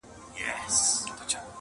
په خپل زړه کي د مرګې پر کور مېلمه سو-